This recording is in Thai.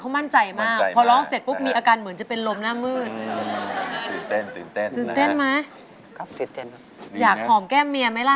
ทำไมอ่ะเป็นอะไรเป็นอะไรพี่ชุนาน